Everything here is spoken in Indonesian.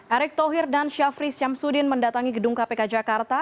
erick thohir dan syafri syamsuddin mendatangi gedung kpk jakarta